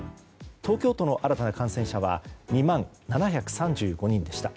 東京都の新たな感染者は２万７３５人でした。